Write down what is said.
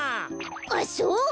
あっそうか！